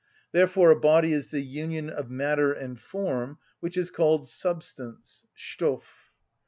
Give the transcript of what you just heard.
Therefore a body is the union of matter and form which is called substance (Stoff).